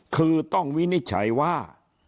คือต้องวินิจฉัยว่า